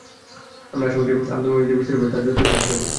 আমরা আশা করি, আবদুল মজিদের বিচার হবে, তাঁর যথাযথ শাস্তি হবে।